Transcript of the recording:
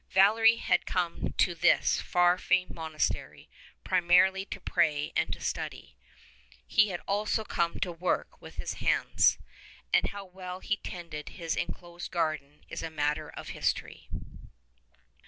Valery had come to this far famed monastery pri marily to pray and to study: he had also come to work with his hands. And how well he tended his enclosed gar den is a matter of history.